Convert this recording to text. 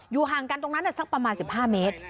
อยู่ห่างกันตรงนั้นสักประมาณสิบห้าเมตร